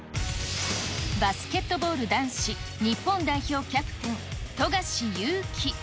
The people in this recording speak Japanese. バスケットボール男子日本代表キャプテン、富樫勇樹。